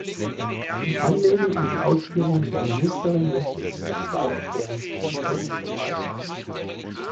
In Anlehnung an die Ausführungen der Ministerin möchte ich ihr zwei Erklärungsversuche unterbreiten.